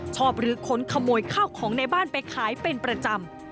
หรือค้นขโมยข้าวของในบ้านไปขายเป็นประจำ